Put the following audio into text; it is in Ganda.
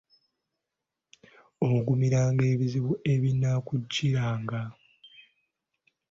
Ogumiranga ebizibu ebinaakujjiranga.